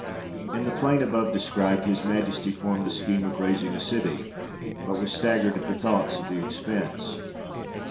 In the plain above described his Majesty formed the scheme of raising a city, but was staggered at the thoughts of the expence.